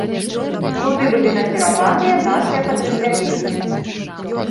Туды былі накіраваныя нашыя падраздзяленні.